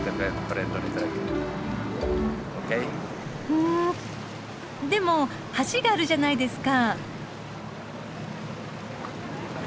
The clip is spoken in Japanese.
ふんでも橋があるじゃないですか？